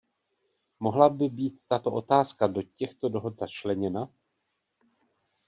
Mohla by být tato otázka do těchto dohod začleněna?